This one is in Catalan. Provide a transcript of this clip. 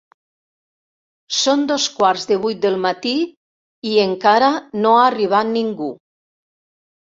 Són dos quarts de vuit del matí i encara no ha arribat ningú.